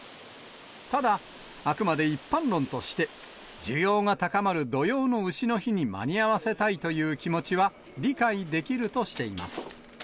ただ、あくまで一般論として、需要が高まる土用のうしの日に間に合わせたいという気持ちは理解できるとしています。